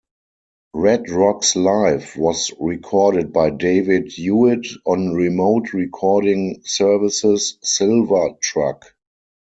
Red Rocks Live was recorded by David Hewitt on Remote Recording Services' Silver Truck.